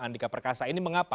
andika perkasa ini mengapa